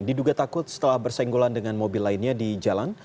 diduga takut setelah bersenggolan dengan mobil lainnya di jalan